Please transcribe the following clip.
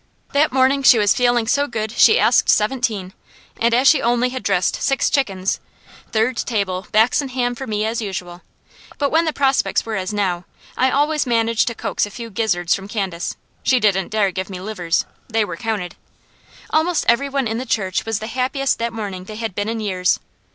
That morning she was feeling so good she asked seventeen; and as she only had dressed six chickens third table, backs and ham, for me as usual; but when the prospects were as now, I always managed to coax a few gizzards from Candace; she didn't dare give me livers they were counted. Almost everyone in the church was the happiest that morning they had been in years.